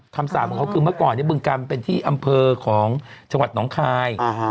คำสาปของเขาคือเมื่อก่อนเนี่ยบึงกำเป็นที่อำเภอของชาวัดหนองคาย